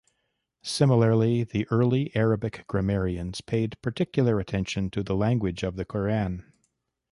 Similarly, the early Arabic grammarians paid particular attention to the language of the Quran.